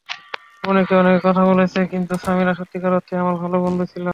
অনেকে অনেক কথা বলছে, কিন্তু সামিরা সত্যিকার অর্থেই আমার ভালো বন্ধু ছিল।